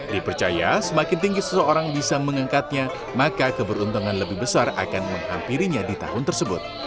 dipercaya semakin tinggi seseorang bisa mengangkatnya maka keberuntungan lebih besar akan menghampirinya di tahun tersebut